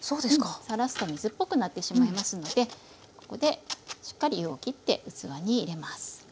さらすと水っぽくなってしまいますのでここでしっかり湯をきって器に入れます。